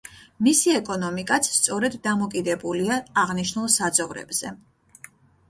მისი ეკონომიკაც სწორედ დამოკიდებულია აღნიშნულ საძოვრებზე.